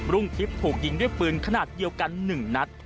รุ่งทิพย์ถูกยิงด้วยปืนขนาดเดียวกัน๑นัด